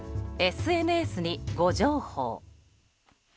ＳＮＳに誤情報。